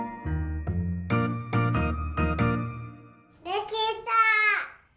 できた！